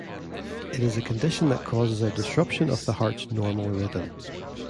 It is a condition that causes a disruption of the heart's normal rhythm.